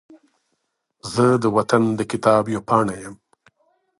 زه د وطن د کتاب یوه پاڼه یم